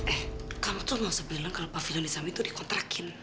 eh kamu tuh masih bilang kalau pavilion di sana itu dikontrakin